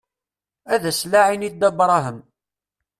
Ad s-laɛin i Dda Brahem.